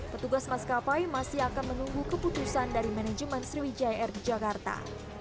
petugas maskapai masih akan menunggu keputusan dari manajemen sriwijaya air di jakarta